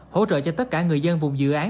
hỗ trợ cho tất cả người dân vùng dự án